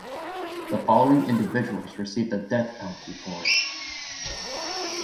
The following individuals received the death penalty for it.